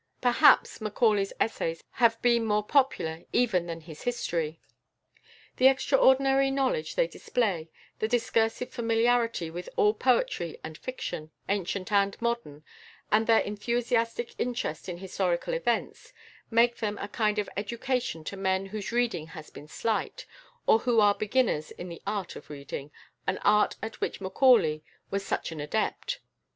Perhaps Macaulay's essays have been more popular even than his history. The extraordinary knowledge they display, the discursive familiarity with all poetry and fiction, ancient and modern, and their enthusiastic interest in historical events, make them a kind of education to men whose reading has been slight, or who are beginners in the art of reading an art at which Macaulay was such an adept.